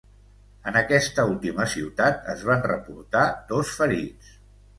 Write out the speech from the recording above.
En aquesta última ciutat es van reportar dos ferits.